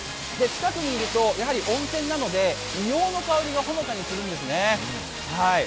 近くにいると温泉なので硫黄の香りがほのかにするんですね。